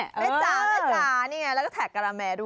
แม่จ๋าแม่จ๋านี่ไงแล้วก็แท็กการาแมด้วย